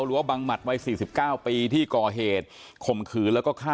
หรือว่าบังมัติวัยสี่สิบเก้าปีที่ก่อเหตุข่มขืนแล้วก็ฆ่า